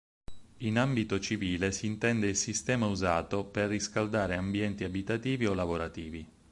In ambito civile si intende il sistema usato per riscaldare ambienti abitativi o lavorativi.